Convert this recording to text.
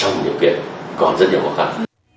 trong nhiều kiện còn rất nhiều khó khăn